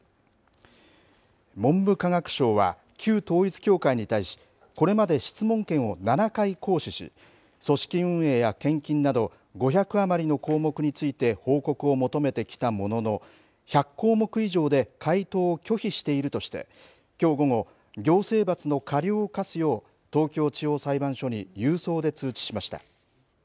文部科学省は、旧統一教会に対しこれまで質問権を７回行使し組織運営や献金など５００余りの項目について報告を求めてきたものの１００項目以上で回答を拒否しているとしてきょう午後、行政罰の過料を科すよう東京地方裁判所に郵送で通知しました。